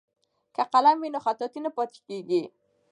که قلم وي نو خطاطي نه پاتې کیږي.